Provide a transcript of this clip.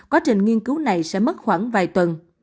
quá trình nghiên cứu này sẽ mất khoảng vài tuần